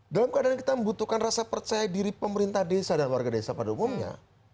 dalam keadaan kita membutuhkan rasa percaya diri pemerintah desa dan warga desa pada umumnya